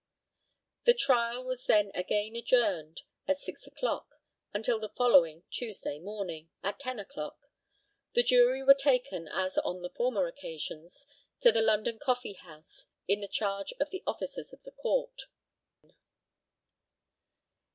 The trial was then again adjourned at six o'clock, until the following (Tuesday) morning, at ten o'clock. The jury were taken, as on the former occasions, to the London Coffee house, in the charge of the officers of the court.